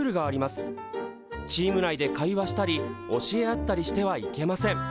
チーム内で会話したり教え合ったりしてはいけません。